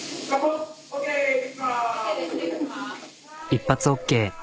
一発ＯＫ。